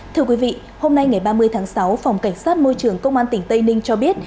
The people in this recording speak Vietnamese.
thưa quý vị hôm nay ngày ba mươi tháng sáu phòng cảnh sát môi trường công an tỉnh tây ninh cho biết